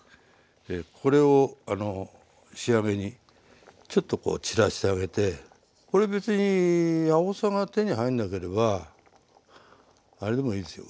これを仕上げにちょっとこう散らしてあげてこれ別にあおさが手に入んなければあれでもいいですよ